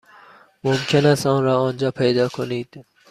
ممکن است آن را آنجا پیدا کنید.